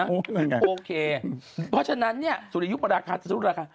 โอเคเพราะฉะนั้นเนี่ยสุริยุปราคาสมมุติราคา